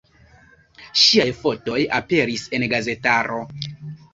Ŝiaj fotoj aperis en gazetaro.